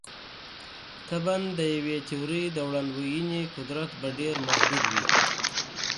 طبعاً د یوې تیورۍ د وړاندوینې قدرت به ډېر محدود وي.